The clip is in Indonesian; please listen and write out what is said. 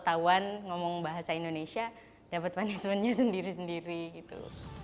ketahuan ngomong bahasa indonesia dapat punishmentnya sendiri sendiri gitu